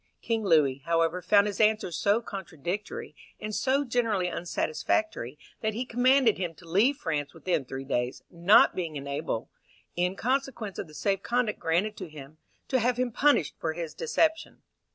King Louis, however, found his answers so contradictory, and so generally unsatisfactory, that he commanded him to leave France within three days, not being enabled, in consequence of the safe conduct granted to him, to have him punished for his deception.